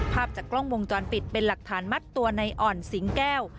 ภาพจากกล้องวงจรปิดเป็นหลักฐานมัดตัวในอ่อนสิงแก้ว